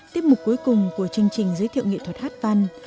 tiếp mục cuối cùng của chương trình giới thiệu nghệ thuật hát văn